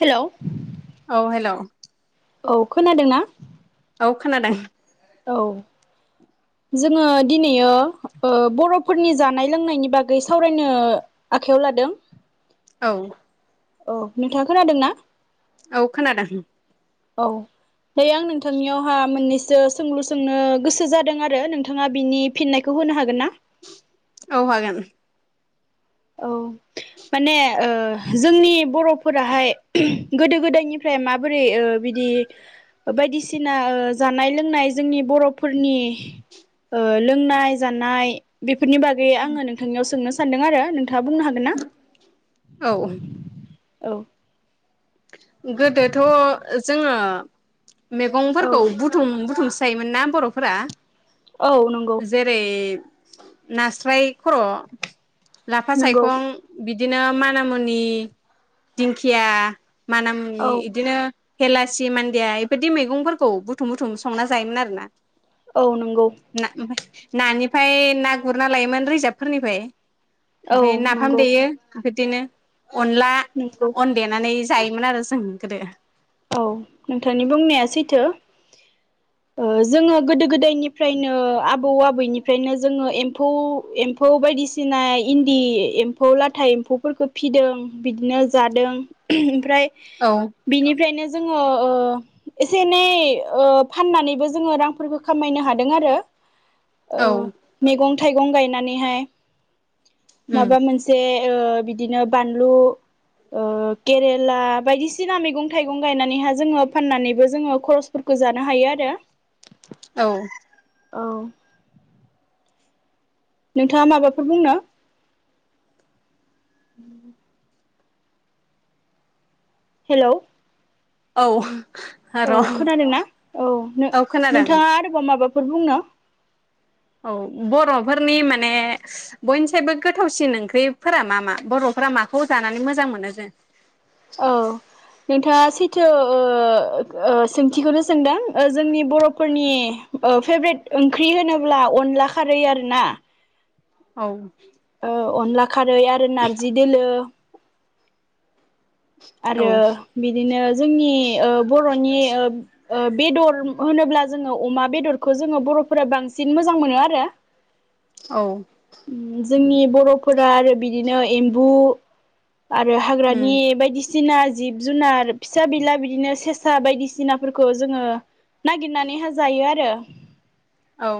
हेल' औ हेल' औ खोनादोंना? औ खोनादों। औ जोङो दिनैयो ओ बर'फोरनि जानाय लोंनायनि बागै सावरायनो आखायाव लादों। औ औ नोंथाङा खोनादोंना? औ खोनादों। औ दायो आं नोंथांनियावहा मोननैसो सोंलु सोंनो गोसो जादों आरो नोंथाङा बिनि फिन्नायखौ होनो हागोन ना? औ हागोन। औ माने ओ जोंनि बर' फोराहाय गोदो गोदायनिफ्राय माबोरै ओ बिदि बायदिसिना जानाय लोंनाय जोंनि बर'फोरनि ओ लोंनाय जानाय बेफ फोरनि बागै आङो नोंथांनियाव सोंनो सा सानदों आरो नों थाङा बुंनो हागोन ना? औ औ गोदोथ' जोङो औ मेगंफोरखौ बुुम बुथुमसो जायोमोनना बर'फोरा औ नंगौ जेरै नास्राय खर' लाफा नंगौ सायखं बिद दिनो मानामुनि, दिंखिया मानामुनि औ इदिनो हेलासि, मान्दिया इबायदि मैगंफोरखौ बुथुम बुथुम संना जायोमोन आरोना औ नंगौ ना ओमफाय नानिफाय ना गुरना लायोमोन रिजाबफोरनिफाय औ ओमफ्राय नाफाम नंगौ देयो ओमफाय दिनो अनला नंगौ अन देनानै जायमोनोन आरो जों गोदो औ नोंथांनि बुंनाया सैथो ओ जोङो गोदो गोदायनिफ्रायनो आबौ आबैनिफ्रायनो जोङो एम्फौ एम्फौ बायदिसिना इन्दि एम्फौ लाथा एम्फौफोरखौ फिदों बिदिनो जादों ओमफ्राय औ [unintelligible] ओ जोङो एसे एनै फाननानैबो जोङो रांफोरखौ खामायनो हादों आरो ओ औ मैगं थाइगं गायनानैहाय उम माबा मोनसे ओ बिदिनो बानलु ओ केेरेला बायदिसिना मैगं थाइगं गायनानैहा जोङो फाननानैबो जोङो खरसफोरखौ जानो हायो आरो औ औ नोंथाङा माबाफोर बुंनो? [inaudible] हेलौ औ औ र' खोनादोंना औ औ खोनादों नोंथाङा आरोबाव माबा फुर बुंनो? औ बरफोरनि माने बयनिसुबो गोथावसिन ओंख्रिफोरा मा मा बरफोरा माखौ जानानै मोजां मोनो जों औ नोंथाङा सैथो ओ ओ सोंथिखौनो सोंदों ओ जोंनि बरफोरनि ओ फेभ्रेट ओंख्रि होनोब्ला अनला खारै आर ना औ ओ अनला खारै आरो नारजि दोलो औ आरो बिदिनो जोंनि ओ बरनि ओ बेदर होनोब्ला जोङो अमा बेदरखौ जोङो बर फोरा बांसिन मोजां मोनो आरो औ जोंनि बरफोरा आरो बिदिनो एम्बु आरो उम हाग्रानि बायदिसिना सिना जिब जुनार फिसा बिला बिदिनो सेसा बायदिसिनाफोरखौ जोङो नागिरनानै हो जायो आरो औ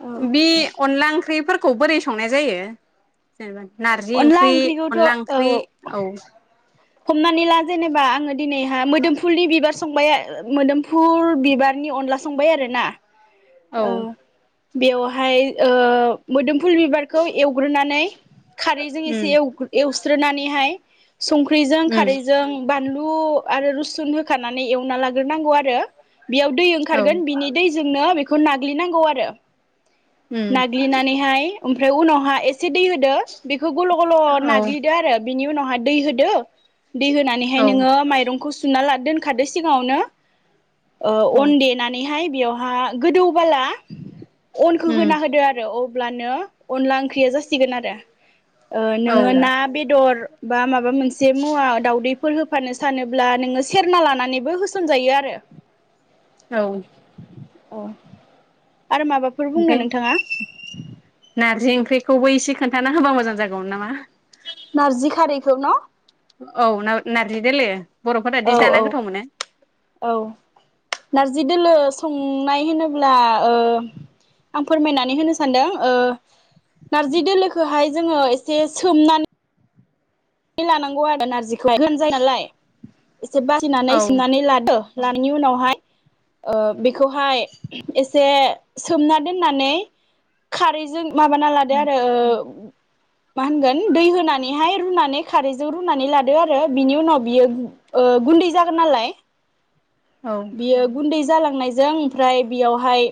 औ बे अनला ओंख्रि फोरखौ बोरै संनाय जायो जेनेबा नारजि अनला ओंख्रि ओंख्रिखौथ' अनला औ ओंख्रि औ हमनानै ला जेनेबा आङो दिनैहहा मोदोम फुलनि बिबार संबाय मोदोमफुल बिबारनि अनला संबाय आरोना औ बेवहाय ओ मोदोमफुल बिबारखौ एवग्रोनानै खारैजों उम एसे एवस्रोनानैहाय सं ख्रिजों उम खारैजों बा बानलु आरो रुसुन होखानानै एवना लाग्रोनांगौ आरो बेयाव दै औ ओंखारगोन बिनि दैजोंनो बेखौ बेखौ नाग्लिनांगौ आरो उम नाग्लिनानैहाय ओमफ्राय उनावहा एस एसे दै होदो बेखौ गल गल औ नाग्लिदो आरो बिनि उनावहाय दै होदो दै औ होनानैहाय नोङो माइरंखौ सुना ला दोनखादो सिगाङावनो। ओ अन देनानैहाय बेयावहा गोदौबाला अनखौ उम होना होदो आरो अ अब्लानो अनला ओंख्रिया जासिगोन आरो औ नोङो ना बेदर बा माबा मोन जे मुवा दाावदैफोर होफ होफानो सानोब्ला नोङो सेरना लानानैबो होसनजायो आरो। औ अ आरो माबाफोर बुंनो ओमफ्राय नोंथाङा? ख्रिखौबो एसे खोन्थाना होबा मोजां जागौमोन नामा। नारजि खारैखौ न'? औ न-नारजि देले बर'फोरादि औ जाना गोथाव मोनो। औ नारजि दोलो संनाय होनोब्ला ओ आं फोरमायनानै होनो सानदों ओ नारजि दोलोखौहाय जोङो एसे सोमनानै लानांगौ आरो नारजिखौहाय गोरान जायो नालाय। एसे बासिनानै औ सोमनानै लादो। लानायनि उनावहाय ओ बे खौहाय एसे सोमना दोननानै खारैजों माबाना लादो आरो ओ मा होनगोन दै होनानैहाय रुनानै खारैजों रुनानै लादो आरो बिनि उनाव बियो ओ गुन्दै जागोन नालाय औ बियो गुन्दै जालांनायजों ओमफ्राय बेयावहाय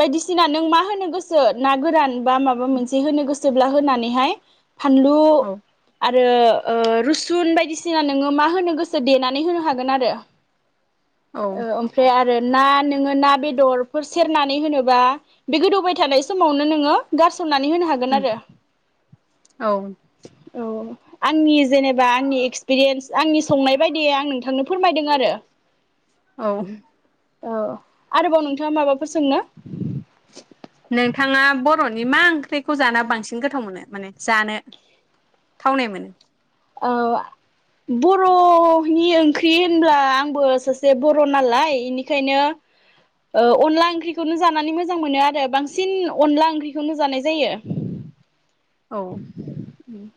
बायदिसिना नों मा होनो गोसो ना गोरान माबा मोनसे होनो गो सो ब्ला होनानैहाय फानलु औ आ आरो ओ रुसुन बायदिसिना नोङो मा होनो गोसो देनानै होनो हागोन आरो। औ ओ ओमफ्राय आरो ना नोङो ना बेदरफोर सेरनानै होनोबा बे गोदौबाय थानाय समावनो नोङो गार मनानै होनो हागोन आरो। औ औ आंनि जेनेबा आंनि एक्सपिरियेन्स आंनि संनाय बायदियै आं नोंथांनो फोरमायदों आरो। औ। औ आरोबाव नोंथाङा माबाफोर सोंनो? नोंथाङा बर'नि मा ओंख्रिखौ जाना बांसिन गोथाव मोनो माने जानो थावनाय मोनो? अ बर'नि ओंख्रि होनब्ला आंबो सासे बर' नालाय इनिखायनो ओ अनला ओंख्रिखौनो जानानै मोजां मोनो आरो बांसिन अनला ओंख्रिखौनो जानाय जायो। औ उम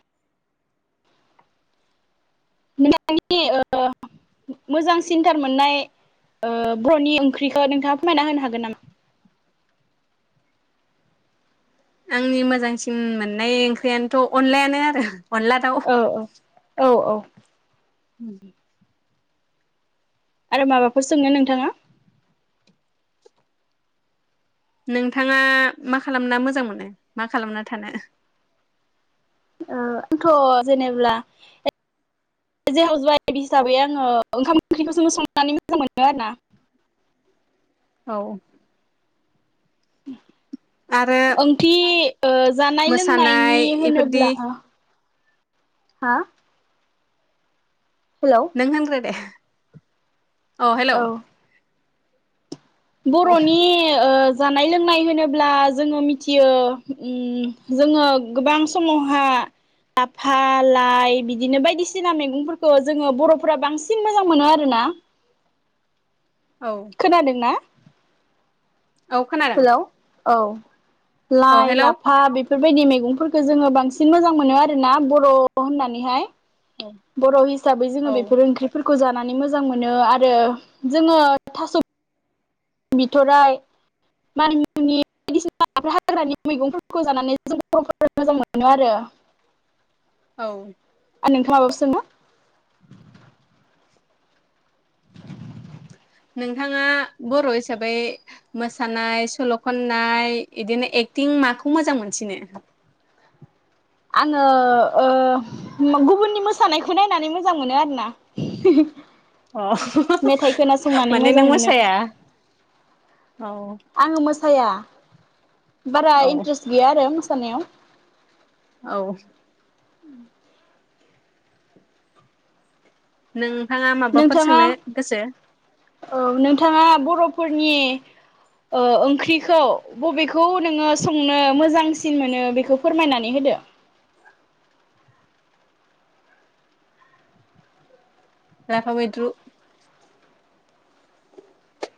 नोंथांनि ओ मोजां सिन्थार मोननाय ओ बर'नि ओंख्रिखौ नोंथाङा फोरमायना होनो हागोन नामा? आंनि मोजांसिन मोननाय ओंख्रियानोथ' अनलायानो आरो। अनला दाउ ओ ओ औ औ [unintelligible] आरो माबाफोर सोंनो नोंथाङा? नोंथाङा मा खालामना मोजां मोनो मा खालामना थानो? ओ आंथ' जेनेब्ला एज ए हाउस वाइभ हिसाबै आङो ओंखाम ओंख्रिखौनो संनानै मोजां मोनो आरो ना। औ आरो [unintelligible] ओंथि ओ जानाय लोंनायनि मोसानाय इफोरदि होनोब्ला ओ हा हेलौ नों होनग्रो दे अ हेलौ औ औ बर'नि ओ जानाय लोंनाय होनोब्ला जोङो मिथियो ओम जोङो गोबां समावहा लाफा लाइ बिदिनो बायदिसिना मैगंफोरखौ जोङो बर'फोरा बांसिन मोजां मोनो आरो ना। औ खोनादों ना? औ खोनादों। औ औ लाइ हेलौ लाफा बेफ बेफोरबायदि मैगंफोरखौ जोङो बांसिन मोजां मोनो आरोना बर' होननानैहाय। औ बर' हिसाबै जोङो औ बेफोर ओंख्रिफोर खौ जानानै मोजां मोनो आरो जोङो थास' बिथ'राइ मानिमुनि बायदिसिना हाग्रानि मैगंफोरखौ जानानै जों बर'फोरा मोजां मोनो आरो। औ। आरो नोंथांङा माबाफोर सोंनो? नोंथाङा बर' हिसाबै मोसानाय सल' खननाय इदिनो एक्टिं माखौ मोजां मोनसिनो? आङो ओ गुबुननि मोसानायखौ नायनानै मोजां मोनो आरोना अ मेथाइ खोनासंनानै माने नों मोजां मोनो मोसाया? औ आङो मोसाया। बारा औ इन्ट्रेस्ट गैया आरो मोस मोसानायाव। औ उम नों थाङा माबाफोर नोंथाङा सोंनो गोसो? औ नोंथाङा बरफोरनि ओ ओंख्रिखौ बबेखौ नोङो संनो मोजांसिन मोनो बेखौ फोरमायनानै होदो? लाफा मैद्रु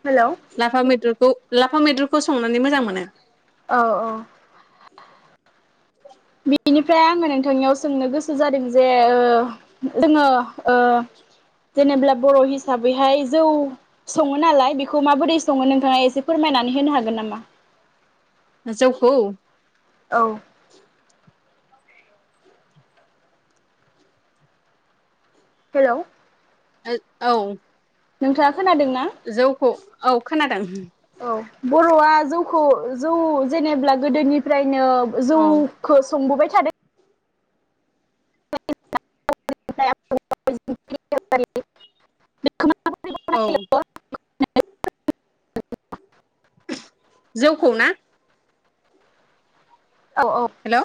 हेलौ औ लाफा मैद्रुखौ। लाफा मैद्रुखो संनानै मोजां मोनो। औ औ बेनिफ्राय आङो नोंथांनियाव सोंनो गोसो जादों जे ओ जोङो ओ जेनेब्ला बर' हिसाबैहाय जौ सङो नालाय बेखौ माबोरै सङो नोंथाङा एसे फोरमायनानै होनो हागोन नामा? जौखौ? औ हेल' ओद औ नोंथा जौखौ औ खोनादों औ बरआ जौखौ जौ जेनेब्ला गोदोनिफ्राय नो औ जौखौ संबोबाय थादो [unintelligible] औ जौखौ ना? औ औ हेलौ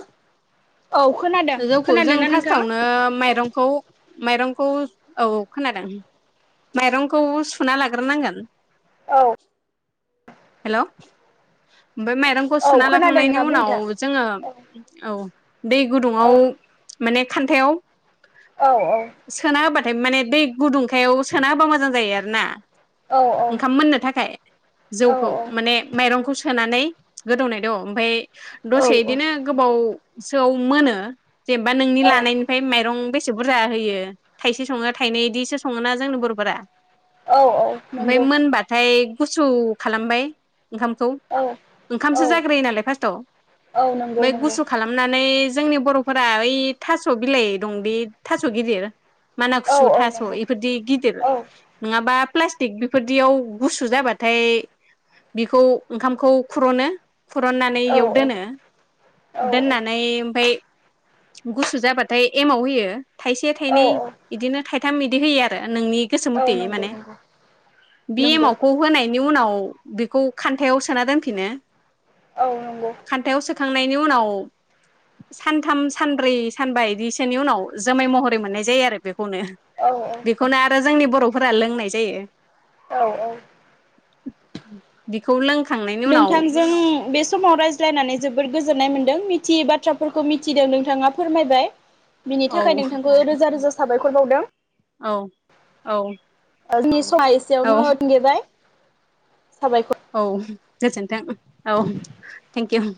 औ खोनादों जौखौ जों खोनादोंना नोंथाङा? फार्स्टावनो माइरंखौ माइरंखौ औ खोनादों माइरंखौ सुना लाग्रोनांगोन औ हेल' बे मेद दानखौ औ खोनादों सुनालाखांनायनि नोंथां बुं नोंथां उनाव जोङो औ दै गुदुंआव औ माने खान्थायाव औ औ बा माने दै गुदुंखायाव सोना होबा मोजां जायो आरो ना। औ ओंखाम मोननो थाखाय। औ जौखौ माने माइरं खौ सोनानै गोदौनाय द' ओमफाय दसे इदिनो गोबाव सोआव मोनो। जेनबा नोंनि औ औ लानायनिफाय मायरं बे सेबुरजा होयो थाइसे सङो थाइनै बिदिसो सङोना जोंनो बरफोरा। औ औ ओमफ्राय नंगौ मोनबाथाय गुसु औ खालामबाय ओंखामखौ औ ओंखामसो औ जाग्रोयो नालाय फार्स्टआव औ नंगौ मै नंगौ गुसु खालामनानै जोंनि बरफोरा ओइ थास बिलाइ दंदि थास गिदिर माना औ खुसु औ थास नंगौ इफोरदि गिदिर औ नङाबा प्लास्टिक बेफोरदियाव गुसु जाबाथाय। बेखौ ओंखामखौ खुरनो फुरननानै औ येव दोनो औ दोननानै ओमफ्राइ गुसु जाबाथाय एमाव होयो। थाइसे औ थाइनै एदिनो थाइ थाम एदि होयो आरो। नोंनि गोसो औ मथेइ नंगौ माने नंगौ बि नंगौ एमावखौ होनाय बिनि उनाव बेखौ खान्थायाव सोना दोनफिनो। औ नंगौ। थांनायनि उनाव सानथामसो सानब्रै सानबा एदिसोनि उनाव जोमै महरै मोननाय जायो आरो बे होनो औ बेखौनो आरो जोंनि बर' फोरा लोंनाय जायो। औ-औ। बेखौ लोंखां नोंथांजों बे समाव रायज्लायनानै जोबोद गोज गोजोननाय मोनदों मिथियै बाथ्राफोरखौ मिथिदों नोंथाङा फोरमायबाय बिनि औ थाखाय नोंथांखौ रोजा-रोजा साबायखर बावदों औ औ ओ जोंनि समा औ एसेयावनो थोंगेबाय। साबाय। औ गोजोनथों औ थेंक इउ।